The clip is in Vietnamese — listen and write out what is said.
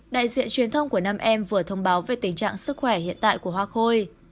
đại diện truyền thông của nam em vừa thông báo về tình trạng sức khỏe hiện tại của hoa khôi